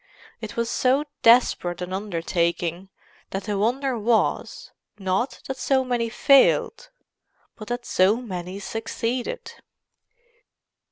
It was so desperate an undertaking that the wonder was, not that so many failed, but that so many succeeded.